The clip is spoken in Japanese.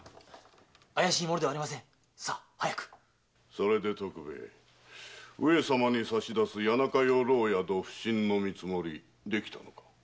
それで徳兵衛上様に差し出す谷中養老宿普請の見積もりできたのか？